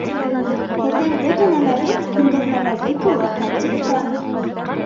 Һеҙҙең бөтә нәмәгеҙ күргәҙмәләге кеүек тәртиптә